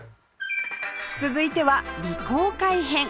続いては未公開編